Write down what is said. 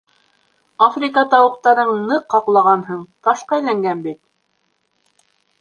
Африка тауыҡтарын ныҡ ҡаҡлағанһың, ташҡа әйләнгән бит!